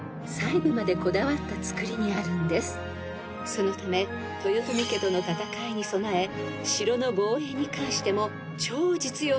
［そのため豊臣家との戦いに備え城の防衛に関しても超実用的な工夫が］